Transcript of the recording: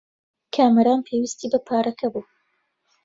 کامەران پێویستیی بە پارەکە بوو.